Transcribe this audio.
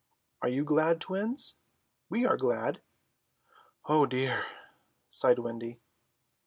"Are you glad, Twins?" "We are glad." "Oh dear," sighed Wendy.